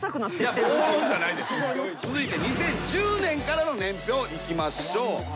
続いて２０１０年からの年表いきましょう。